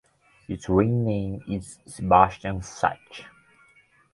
His Ring name is Sebastian Sage.